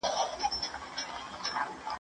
خپله خوله هم کلا ده، هم بلا.